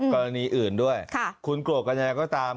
กรณีอื่นด้วยคุณโกรธกันยังไงก็ตาม